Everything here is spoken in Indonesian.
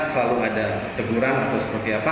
selalu ada teguran atau seperti apa